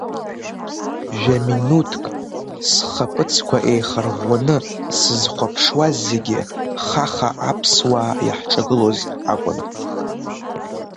Жәаминуҭк схаԥыцқәа еихарӷәӷәаны сызхәаԥшуаз зегьы, хаха аԥсуаа иаҳҿагылоз акәын.